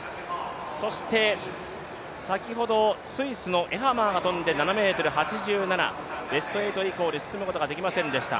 そして先ほどスイスのエハマーが跳んで７ｍ８７、ベスト８以降に進むことができませんでした。